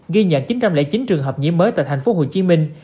ghi nhận chín trăm linh chín trường hợp nhiễm mới tại thành phố hồ chí minh